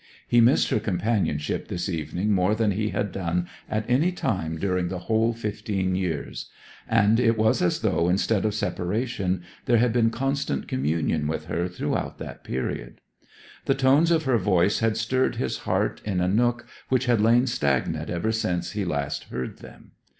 He missed her companionship this evening more than he had done at any time during the whole fifteen years; and it was as though instead of separation there had been constant communion with her throughout that period. The tones of her voice had stirred his heart in a nook which had lain stagnant ever since he last heard them.